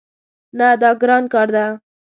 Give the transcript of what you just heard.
نه، دا ګران کار ده